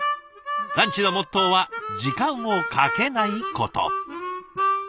ランチのモットーは時間をかけないこと。